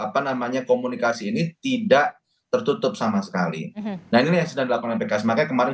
apa namanya komunikasi ini tidak tertutup sama sekali nah ini yang sedang dilakukan oleh pks makanya kemarin